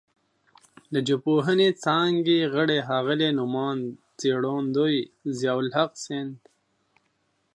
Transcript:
د ژبپوهنې څانګې غړي ښاغلي نوماند څېړندوی ضیاءالحق سیند